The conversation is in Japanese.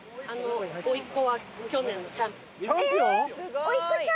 甥っ子は去年のチャンピオン。